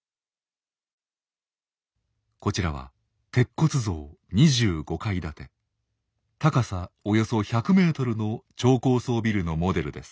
こちらは鉄骨造２５階建て高さおよそ１００ｍの超高層ビルのモデルです。